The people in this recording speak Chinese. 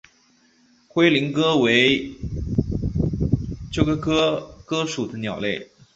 灰林鸽为鸠鸽科鸽属的鸟类。